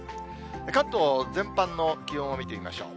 関東全般の気温を見てみましょう。